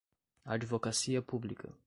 Advocacia Pública